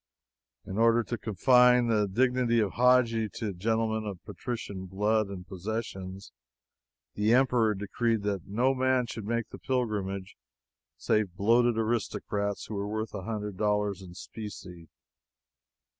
In order to confine the dignity of Hadji to gentlemen of patrician blood and possessions, the Emperor decreed that no man should make the pilgrimage save bloated aristocrats who were worth a hundred dollars in specie.